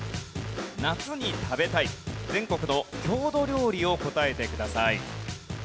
夏に食べたい全国の郷土料理を答えてください。